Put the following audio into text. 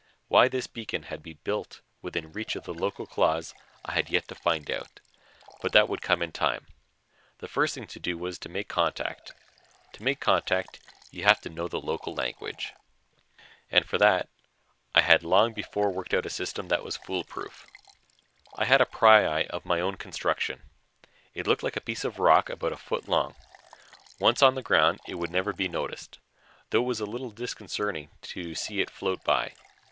Why this beacon had been built within reach of the local claws, I had yet to find out. But that would come in time. The first thing to do was make contact. To make contact, you have to know the local language. And, for that, I had long before worked out a system that was fool proof. I had a pryeye of my own construction. It looked like a piece of rock about a foot long. Once on the ground, it would never be noticed, though it was a little disconcerting to see it float by.